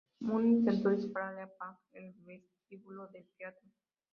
Mun intentó dispararle a Park en el vestíbulo del teatro.